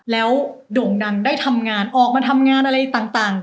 แล้วโด่งดังได้ทำงานออกมาทำงานอะไรต่าง